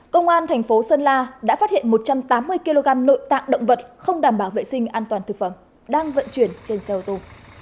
công an thành phố sơn la đã phát hiện một trăm tám mươi kg nội tạng động vật không đảm bảo vệ sinh an toàn thực phẩm đang vận chuyển trên xe ô tô